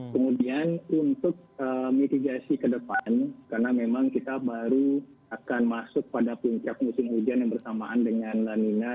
kemudian untuk mitigasi ke depan karena memang kita baru akan masuk pada puncak musim hujan yang bersamaan dengan lanina